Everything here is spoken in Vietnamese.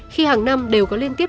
khi hàng năm đều có liên tiếp